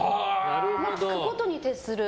聞くことに徹する。